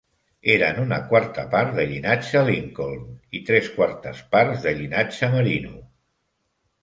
Eren una quarta part de llinatge Lincoln i tres quartes parts de llinatge Merino.